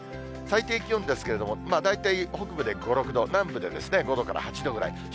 最低気温ですけれども、大体、北部で５、６度、南部で５度から８度くらい。